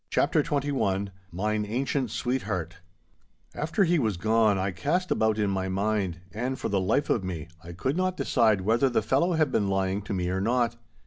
*CHAPTER XXI* *MINE ANCIENT SWEETHEART* After he was gone I cast about in my mind, and, for the life of me, I could not decide whether the fellow had been lying to me or not.